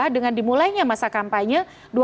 dengan dimulainya masa kampanye